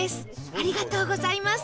ありがとうございます